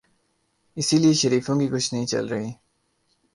اسی لیے شریفوں کی کچھ نہیں چل رہی۔